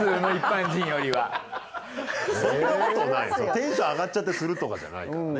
テンション上がっちゃってするとかじゃないからね。